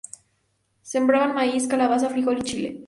Sembraban maíz, calabaza, frijol y chile.